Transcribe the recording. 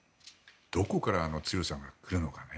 どこからあの強さが来るのかね。